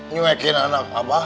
nyuekin anak mbah